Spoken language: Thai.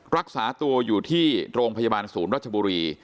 รักษาตัวอยู่ที่โรงพยาบาลศูนย์รัชบุรี